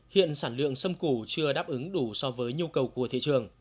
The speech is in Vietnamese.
hiện sản lượng sâm củ chưa đáp ứng đủ so với nhu cầu của thị trường